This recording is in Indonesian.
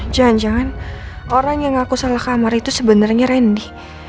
jangan jangan orang yang ngaku salah kamar itu sebenarnya randy